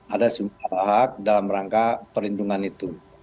ada sebuah hak dalam rangka perlindungan itu